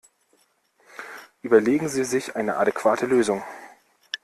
Überlegen Sie sich eine adäquate Lösung!